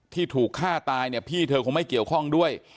ที่ถูกฆ่าตายเนี่ยพี่เธอคงไม่เกี่ยวข้องด้วย